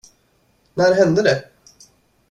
När hände det?